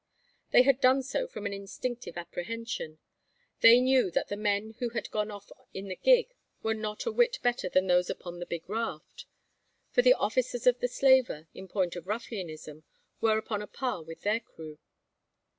They had done so from an instinctive apprehension. They knew that the men who had gone off in the gig were not a whit better than those upon the big raft; for the officers of the slaver, in point of ruffianism, were upon a par with their crew.